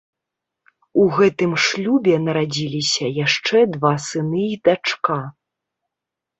У гэтым шлюбе нарадзіліся яшчэ два сыны і дачка.